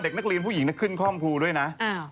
เด็กนักเรียนผู้หญิงน่าขึ้นข้องครูด้วยนะ